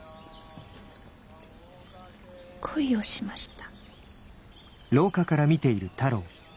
恋をしました。